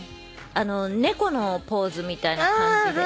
猫のポーズみたいな感じで。